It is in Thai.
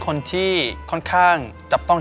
มันต่อของตัวเอง